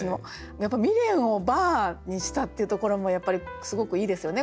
やっぱ未練をバーにしたっていうところもすごくいいですよね